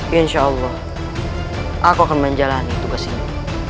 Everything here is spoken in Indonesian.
ya insya allah aku akan menjalani tugas ini